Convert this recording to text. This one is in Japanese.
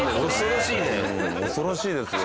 恐ろしいですよ。